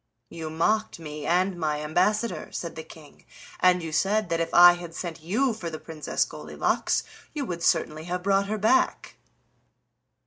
"You mocked me and my ambassador," said the King, "and you said that if I had sent you for the Princess Goldilocks you would certainly have brought her back."